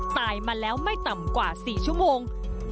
ตายมาแล้วไม่ต่ำกว่า๔ชั่วโมง